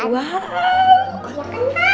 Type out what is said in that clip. wah iya kan pak